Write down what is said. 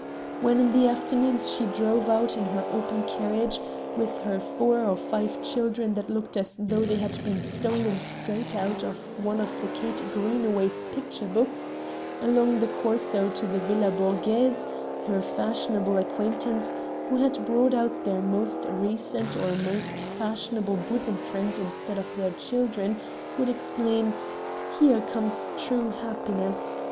When in the afternoons she drove out in her open carriage, with her four or five children that looked as though they had been stolen straight out of one of Kate Greenaway's picture books, along the Corso to the Villa Borghese, her fashionable acquaintance, who had brought out their most recent or most fashionable bosom friend instead of their children, would exclaim: "Here comes true happiness!"